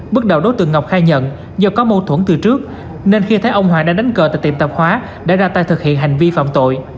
bước đầu đối tượng ngọc khai nhận do có mâu thuẫn từ trước nên khi thấy ông hoàng đang đánh cờ tại tiệm tạp hóa đã ra tay thực hiện hành vi phạm tội